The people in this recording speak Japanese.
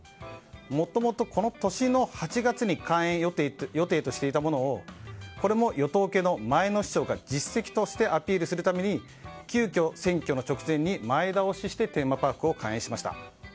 もともとこの年の８月に開園予定としていたものをこれも与党系の前の市長が実績としてアピールするために急きょ、選挙の直前に前倒ししてテーマパークを開園しました。